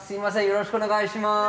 よろしくお願いします。